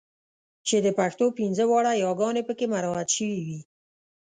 چې د پښتو پنځه واړه یګانې پکې مراعات شوې وي.